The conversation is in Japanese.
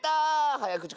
はやくち